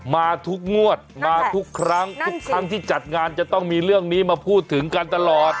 มาทุกงวดมาทุกครั้งทุกครั้งที่จัดงานจะต้องมีเรื่องนี้มาพูดถึงกันตลอด